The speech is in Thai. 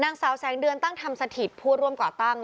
นางสาวแสงเดือนตั้งธรรมสถิตผู้ร่วมก่อตั้ง